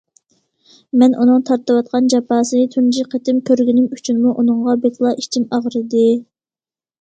مەن ئۇنىڭ تارتىۋاتقان جاپاسىنى تۇنجى قېتىم كۆرگىنىم ئۈچۈنمۇ ئۇنىڭغا بەكلا ئىچىم ئاغرىدى.